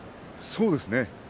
そうですね。